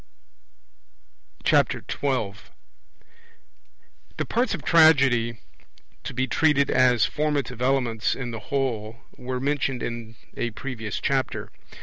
12 The parts of Tragedy to be treated as formative elements in the whole were mentioned in a previous Chapter.